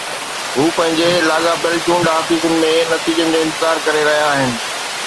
هو پنهنجي لاڳاپيل چونڊ آفيسن ۾ نتيجن جو انتظار ڪري رهيا آهن